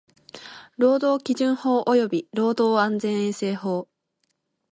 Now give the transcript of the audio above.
労働基準法及び労働安全衛生法